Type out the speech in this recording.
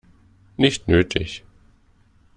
Nicht nötig.